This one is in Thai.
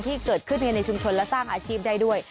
ที่เกิดขึ้นภายในชุมชนและสร้างอาชีพได้ด้วย